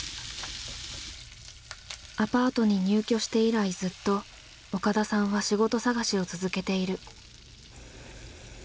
アパートに入居して以来ずっと岡田さんは仕事探しを続けている。